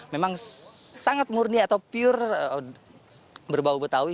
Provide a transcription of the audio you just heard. memang sangat murni atau pure berbau betawi